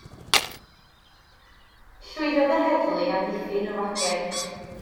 Llwyddodd yr heddlu i amddiffyn y wagen.